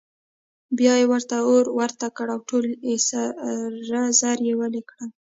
بیا یې ورته اور ورته کړ او ټول سره زر یې ویلې کړل.